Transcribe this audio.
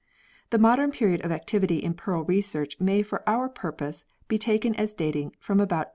The modern period of activity in pearl research may for our purpose be taken as dating from about 1897.